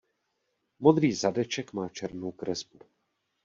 Modrý zadeček má černou kresbu.